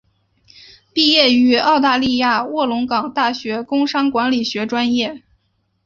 毕业于澳大利亚卧龙岗大学工商管理学专业。